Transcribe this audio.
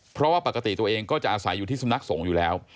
เพราะว่าปกติตัวเองก็จะอาศัยอยู่ที่สำนักสงฆ์อยู่แล้ว